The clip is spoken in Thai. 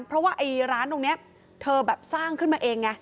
เพราะว่าไอ้ร้านตรงนี้เธอแบบสร้างขึ้นมาเองไง